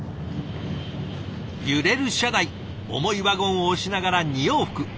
揺れる車内重いワゴンを押しながら２往復。